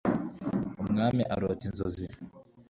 umwami arota inzozi